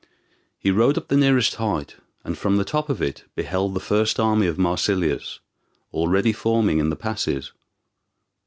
He rode up the nearest height, and from the top of it beheld the first army of Marsilius already forming in the passes.